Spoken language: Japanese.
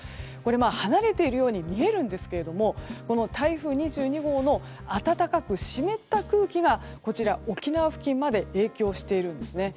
離れているように見えるんですけども台風２２号の暖かく湿った空気が沖縄付近まで影響しているんですね。